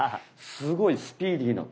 すごいスピーディーな。